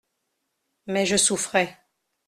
Mais je souffrais.